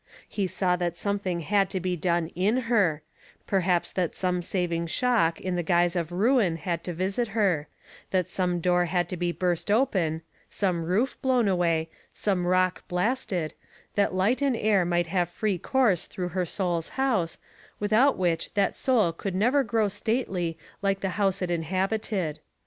He saw that something had to be done IN her perhaps that some saving shock in the guise of ruin had to visit her; that some door had to be burst open, some roof blown away, some rock blasted, that light and air might have free course through her soul's house, without which that soul could never grow stately like the house it inhabited.